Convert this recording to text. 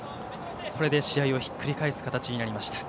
これで試合をひっくり返す形になりました。